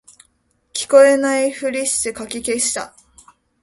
聞こえないふりしてかき消した